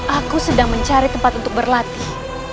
aku sedang mencari tempat untuk berlatih